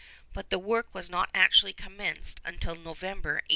But the work was not actually commenced until November 1860.